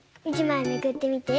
１まいめくってみて。